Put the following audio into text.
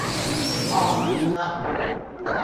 哦，明嘞